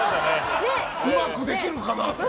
うまくできるかなと。